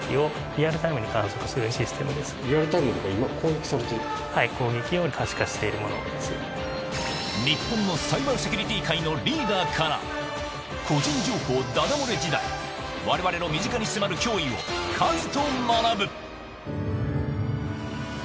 リアルタイムで今、攻撃されはい、日本のサイバーセキュリティ界のリーダーから、個人情報だだ漏れ時代、われわれの身近に迫る脅威をカズと学ぶ。